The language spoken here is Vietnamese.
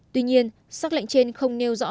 tuy nhiên xác lệnh trên không nêu rõ